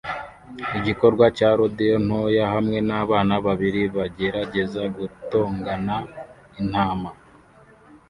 Igikorwa cya rodeo ntoya hamwe nabana babiri bagerageza gutongana intama